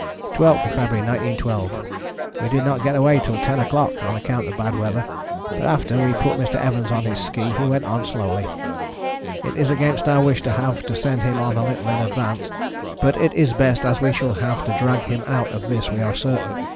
12th February 1912. We did not get away until 10 o'clock on account of bad weather, but after we put Mr. Evans on his ski he went on slowly. It is against our wish to have to send him on a little in advance, but it is best as we shall have to drag him out of this we are certain.